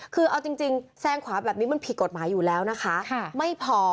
คือเอาจริงแซงขวาแบบนี้มันผิดกฎหมายอยู่แล้วนะคะไม่พอ